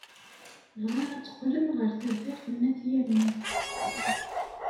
Bɣiɣ ad teqqlem ɣer taddart n At Yanni.